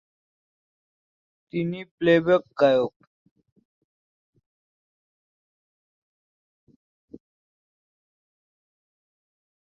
তিনি প্লেব্যাক গায়ক।